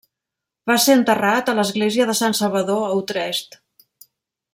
Va ser enterrat a l'església de Sant Salvador a Utrecht.